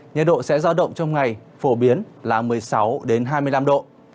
nhật độ sẽ ra động trong ngày phổ biến là một mươi sáu hai mươi năm độ